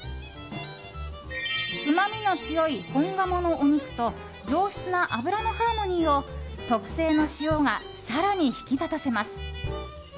うまみの強い本鴨のお肉と上質な脂のハーモニーを特製の塩が更に引き立たせます。